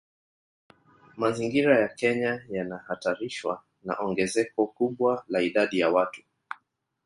Mazingira ya Kenya yanahatarishwa na ongezeko kubwa la idadi ya watu